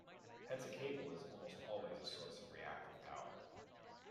Hence a cable is almost always a source of reactive power.